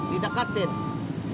ditempatin si naka